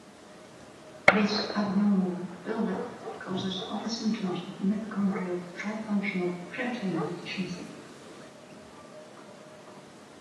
This abnormal buildup causes other symptoms of mitochondrial trifunctional protein deficiency.